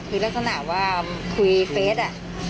คือลักษณะว่าคุยเฟส